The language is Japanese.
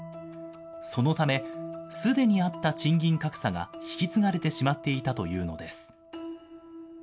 そのため、すでにあった賃金格差が引き継がれてしまっていたというのです。